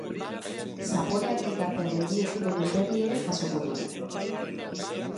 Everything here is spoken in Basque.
Zaporeak elkartearen bi ekimenen berri ere jasoko dugu.